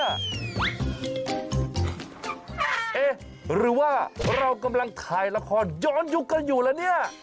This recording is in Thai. หรือว่าเรากำลังถ่ายละครย้อนยุคกันอยู่แล้วเนี่ย